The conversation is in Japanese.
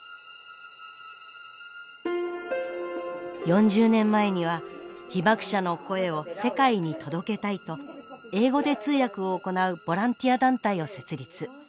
４０年前には被爆者の声を世界に届けたいと英語で通訳を行うボランティア団体を設立。